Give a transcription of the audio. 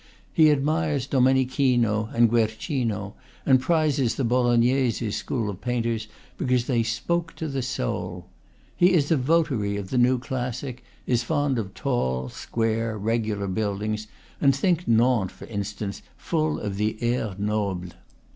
He admires Domenichino and Guer cino, and prizes the Bolognese school of painters be cause they "spoke to the soul." He is a votary of the new classic, is fond of tall, squire, regular buildings, and thinks Nantes, for instance, full of the "air noble."